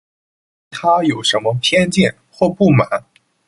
对她有什么偏见或不满